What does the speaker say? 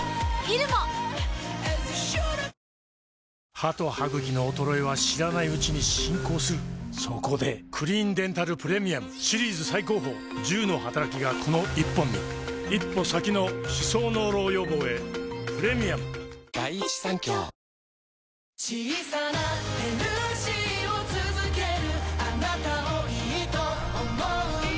歯と歯ぐきの衰えは知らないうちに進行するそこで「クリーンデンタルプレミアム」シリーズ最高峰１０のはたらきがこの１本に一歩先の歯槽膿漏予防へプレミアム大人を旅する不思議なエレベーターサッカーとは？